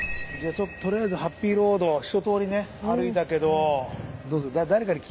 とりあえずハッピーロードは一とおりね歩いたけど。